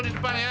di depan ya